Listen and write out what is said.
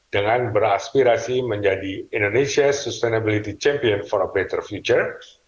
dengan beraspirasi menjadi indonesia's sustainability champion for a better future